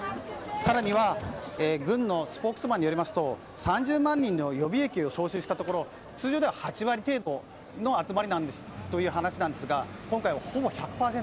更には軍のスポークスマンによりますと３０万人の予備役を招集したところ通常では８割程度の集まりという話なんですが今回はほぼ１００％。